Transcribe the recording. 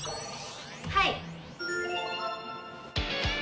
はい！